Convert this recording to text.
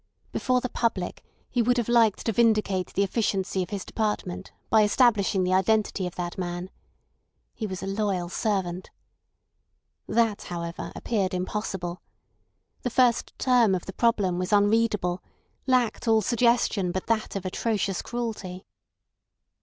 Before the public he would have liked to vindicate the efficiency of his department by establishing the identity of that man. He was a loyal servant. That, however, appeared impossible. The first term of the problem was unreadable—lacked all suggestion but that of atrocious cruelty.